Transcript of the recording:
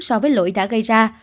so với lỗi đã gây ra